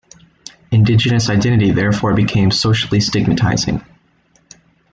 Indigenous identity therefore became socially stigmatizing.